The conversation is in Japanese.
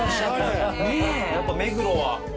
ねえやっぱ目黒は。